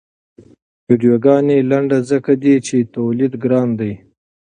ویډیوګانې لنډې ځکه دي چې تولید ګران دی.